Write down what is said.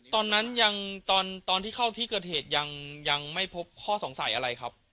ตอนนั้นยังตอนที่เข้าที่เกิดเหตุยังไม่พบข้อสงสัยอะไรครับ